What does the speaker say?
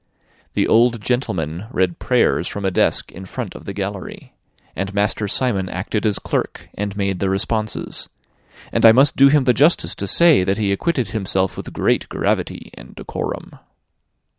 The old gentleman read prayers from a desk in front of the gallery, and Master Simon acted as clerk, and made the responses; and I must do him the justice to say that he acquitted himself with great gravity and decorum.